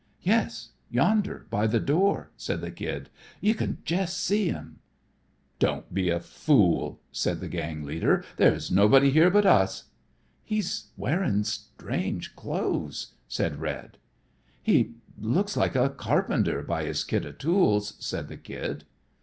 "Yes, yonder by the door," said the Kid. "You c'n jest see him." "Don't be a fool," said the gang leader. "There's nobody here but us." "He's wearin' strange clothes," said Red. "He looks like a carpenter by his kit o' tools," said the Kid.